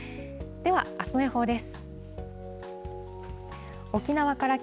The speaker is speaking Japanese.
では、あすの予報です。